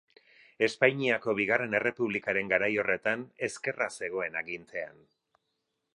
Espainiako Bigarren Errepublikaren garai horretan ezkerra zegoen agintean.